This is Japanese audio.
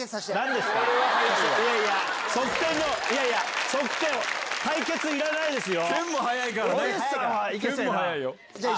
いやいや側転の対決いらないですよ。